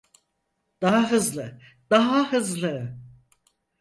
Daha hızlı, daha hızlı!